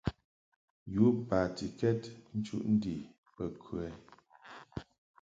Yu batikɛd nchuʼ ndi bə kə ?